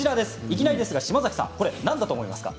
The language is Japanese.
いきなりですが島崎さん何だと思いますか？